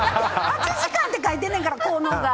８時間って書いてるねんから効能が。